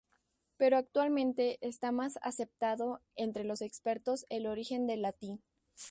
Pero actualmente está más aceptado entre los expertos el origen del latín.